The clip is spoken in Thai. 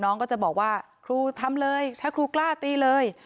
น้องก็จะบอกว่าครูทำเลยถ้าครูกล้าตีเลย